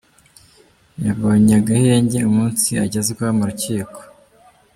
Yabonye agahenge umunsi agezwa mu rukiko.